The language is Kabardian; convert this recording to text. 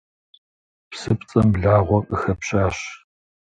Псыпцӏэм благъуэ къыхэпщащ.